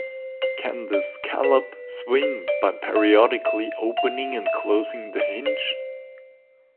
Can the "scallop" swim by periodically opening and closing the hinge?